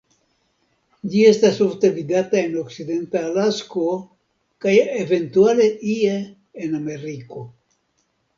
Ĝi estas ofte vidata en okcidenta Alasko kaj eventuale ie en Ameriko.